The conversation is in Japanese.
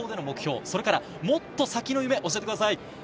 高校での目標、それからもっと先の夢を教えてください。